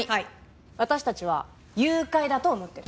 私たちは誘拐だと思ってる。